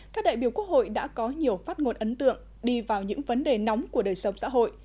các đại biểu quốc hội đã có nhiều phát ngôn ấn tượng đi vào những vấn đề nóng của đời sống xã hội